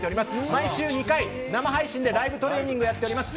毎週２回生配信でライブトレーニングをやっております。